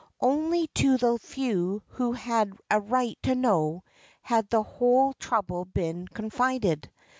Only to the few who had a right to know, had the whole trouble been confided.